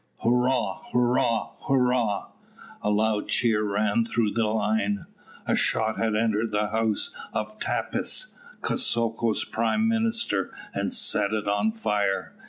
"Hurrah! hurrah! hurrah!" A loud cheer ran through the line. A shot had entered the house of Tappis, Kosoko's prime minister, and set it on fire.